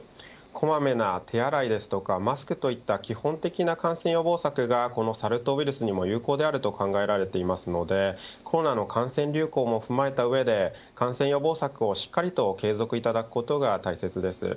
小まめな手洗いですとかマスクといった基本的な感染予防策がこのサル痘ウイルスにも有効であると考えられていますのでコロナの感染流行も踏まえた上で感染予防策をしっかりと継続いただくことが大事です。